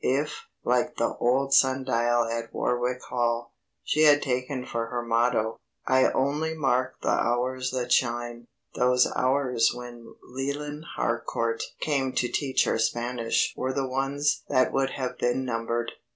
If, like the old sun dial at Warwick Hall, she had taken for her motto: "I only mark the hours that shine," those hours when Leland Harcourt came to teach her Spanish were the ones that would have been numbered.